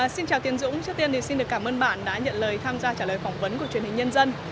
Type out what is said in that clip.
xin chào tiến dũng trước tiên thì xin được cảm ơn bạn đã nhận lời tham gia trả lời phỏng vấn của truyền hình nhân dân